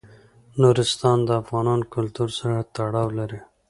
نورستان د افغان کلتور سره تړاو لري.